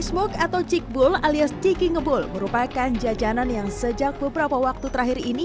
smoke atau cikbul alias ciki ngebul merupakan jajanan yang sejak beberapa waktu terakhir ini